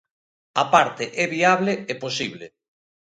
Á parte é viable e posible.